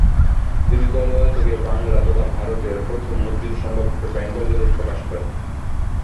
তিনি কলকাতা থেকে বাংলা তথা ভারতের প্রথম মুদ্রিত সংবাদপত্র বেঙ্গল গেজেট প্রকাশ করেন।